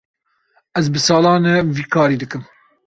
Ez bi salan e vî karî dikim.